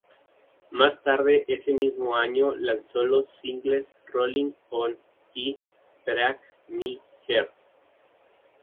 Más tarde ese mismo año, lanzó los singles "Rolling On" y "Break My Heart".